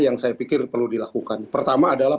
yang saya pikir perlu dilakukan pertama adalah